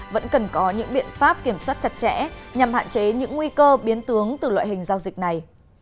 vẫn cần có những biện pháp kiểm soát chặt chẽ nhằm hạn chế những nguy cơ biến tướng từ loại hình giao dịch này